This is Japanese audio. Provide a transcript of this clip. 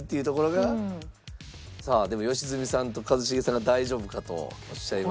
さあでも良純さんと一茂さんが「大丈夫か？」とおっしゃいました。